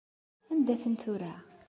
Anda-ten tura?!